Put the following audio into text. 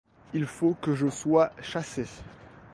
Il faut que je sois chassé.